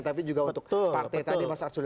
tapi juga untuk partai tadi mas arsul